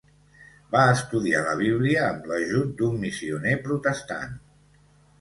Va estudiar la Bíblia amb l'ajut d'un missioner protestant.